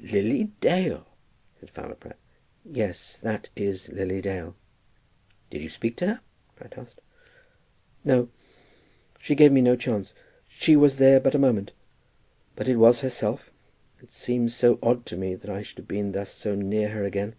"Lily Dale!" said Fowler Pratt. "Yes; that is Lily Dale." "Did you speak to her?" Pratt asked. "No; she gave me no chance. She was there but a moment. But it was herself. It seems so odd to me that I should have been thus so near her again."